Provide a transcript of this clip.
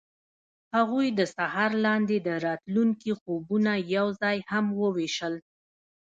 هغوی د سهار لاندې د راتلونکي خوبونه یوځای هم وویشل.